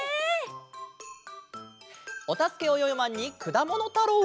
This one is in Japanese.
「おたすけ！およよマン」に「くだものたろう」。